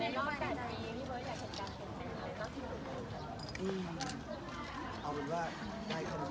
เสือกการเค้งว่าตอนเช้าใช้สิทธิ์ตอนเย็นใช้เสียงครับ